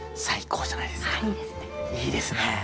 最高じゃないですか。